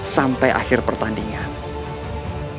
sampai akhir pertandingan